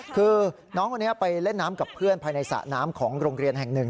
คือน้องคนนี้ไปเล่นน้ำกับเพื่อนภายในสระน้ำของโรงเรียนแห่งหนึ่ง